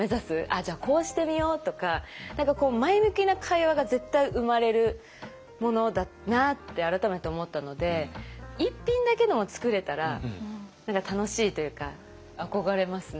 「じゃあこうしてみよう」とか何か前向きな会話が絶対生まれるものだなって改めて思ったので一品だけでも作れたら楽しいというか憧れますね。